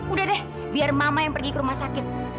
udah deh biar mama yang pergi ke rumah sakit